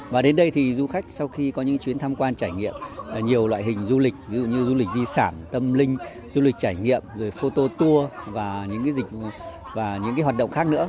và đến đây thì du khách sau khi có những chuyến tham quan trải nghiệm nhiều loại hình du lịch ví dụ như du lịch di sản tâm linh du lịch trải nghiệm rồi photo tour và những cái hoạt động khác nữa